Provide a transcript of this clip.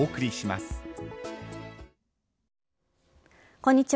こんにちは。